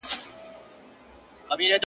كه كښته دا راگوري او كه پاس اړوي سـترگـي.